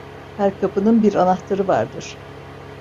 Her kapının bir anahtarı vardır.